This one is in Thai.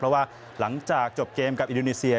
เพราะว่าหลังจากจบเกมกับอินโดนีเซีย